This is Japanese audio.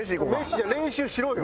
飯じゃ練習しろよ！